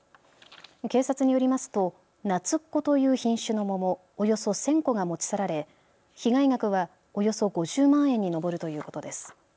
警察によりますとなつっこという品種の桃、およそ１０００個が持ち去られ被害額はおよそ５０万円に上るということです。